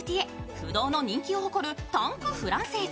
不動の人気を誇るタンクフランセーズ。